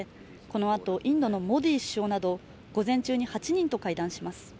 このあとインドのモディ首相など午前中に８人と会談します